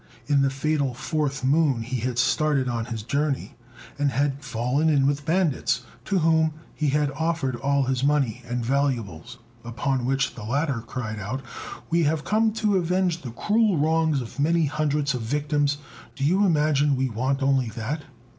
In the fatal fourth moon he had started on his journey and had fallen in with bandits, to whom he had offered all his money and valuables; upon which the latter cried out, "We have come to avenge the cruel wrongs of many hundreds of victims; do you imagine we want only that?"